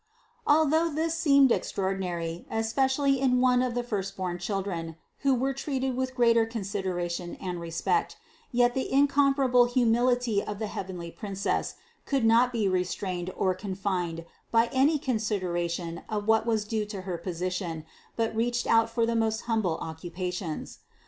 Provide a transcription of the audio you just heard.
Al though this seemed extraordinary, especially in one of the firstborn children, who were treated with greater consid eration and respect, yet the incomparable humility of the heavenly Princess could not be restrained or confined by any consideration of what was due to her position, but reached out for the most humble occupations.